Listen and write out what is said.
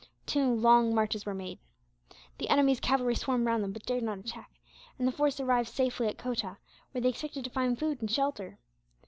Two long marches were made. The enemy's cavalry swarmed round them, but dared not attack; and the force arrived safely at Kotah, where they expected to find food and shelter.